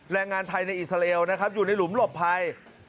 แรงงานไทยในอิสราเอลนะครับอยู่ในหลุมหลบภัย